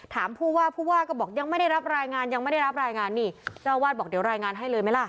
ผู้ว่าผู้ว่าก็บอกยังไม่ได้รับรายงานยังไม่ได้รับรายงานนี่เจ้าวาดบอกเดี๋ยวรายงานให้เลยไหมล่ะ